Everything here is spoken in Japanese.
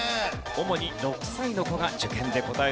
主に６歳の子が受験で答える問題。